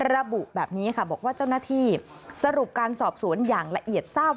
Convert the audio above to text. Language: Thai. ระบุแบบนี้ค่ะบอกว่าเจ้าหน้าที่สรุปการสอบสวนอย่างละเอียดทราบ